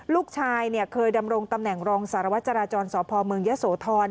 ลูกชายเคยดำรงตำแหน่งรองสารวัตรจราจรสพเมืองยะโสธร